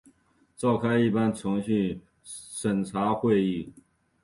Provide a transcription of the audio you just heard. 召开一般程序审查会议